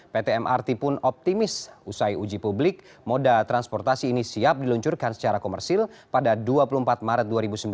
pt mrt pun optimis usai uji publik moda transportasi ini siap diluncurkan secara komersil pada dua puluh empat maret dua ribu sembilan belas